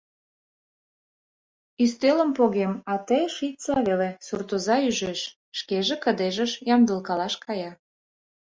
— Ӱстелым погем, а те шичса веле, — суртоза ӱжеш, шкеже кыдежыш ямдылкалаш кая.